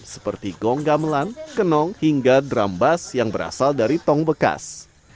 seperti gong gamelan kenong hingga drum bas yang berasal dari tong bekas